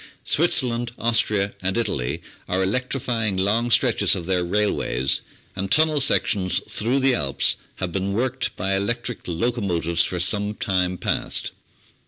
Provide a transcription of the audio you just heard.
Switzerland, Austria, and Italy are electrifying long stretches of their railways, and tunnel sec tions through the Alps have been worked by electric locomotives for some time past.